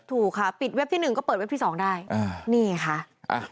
ถูกค่ะปิดวิทยุกายก็เปิดวิทยุกายที่๒ได้